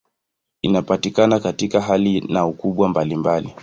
Inapatikana katika hali na ukubwa mbalimbali.